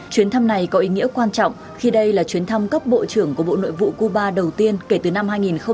chuyến thăm này có ý nghĩa quan trọng khi đây là chuyến thăm cấp bộ trưởng của bộ nội vụ cuba đầu tiên kể từ năm hai nghìn một mươi